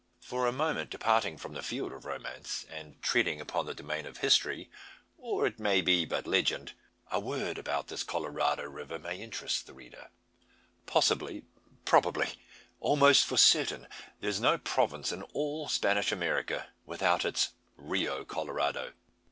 For a moment departing from the field of romance, and treading upon the domain of history or it may be but legend a word about this Colorado river may interest the reader. Possibly, probably, almost lor certain, there is no province in all Spanish America without its "Rio Colorado."